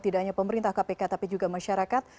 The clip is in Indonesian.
tidak hanya pemerintah kpk tapi juga masyarakat